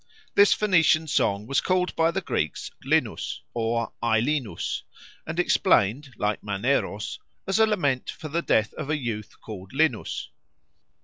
This Phoenician song was called by the Greeks Linus or Ailinus and explained, like Maneros, as a lament for the death of a youth named Linus.